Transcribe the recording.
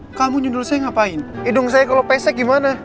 aku masih harus sembunyikan masalah lo andin dari mama